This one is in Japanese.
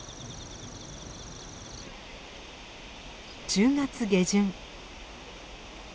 １０月下旬。